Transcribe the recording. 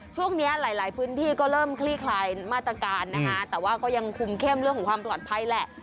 ช่วงนี้หลายหลายพื้นที่ก็เริ่มคลี่คลายมาตรการนะคะแต่ว่าก็ยังคุมเข้มเรื่องของความปลอดภัยแหละ